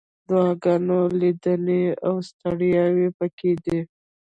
دعاګانې، لیدنې، او ستړیاوې پکې دي.